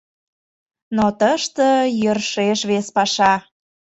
Но тыште йӧршеш вес паша.